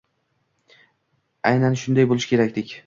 Aynan shunday boʻlishi kerakdek